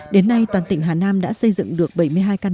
đến nay toàn tỉnh hà nam đã xây dựng được bảy mươi hai căn